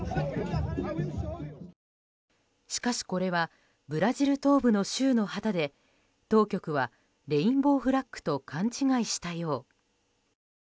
しかしこれはブラジル東部の州の旗で当局はレインボーフラッグと勘違いしたよう。